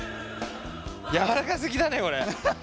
やわらかすぎだねこれ。